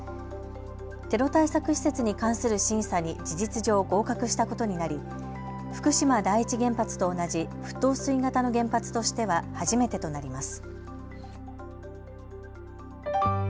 テロ対策施設に関する審査に事実上、合格したことになり福島第一原発と同じ沸騰水型の原発としては初めてとなります。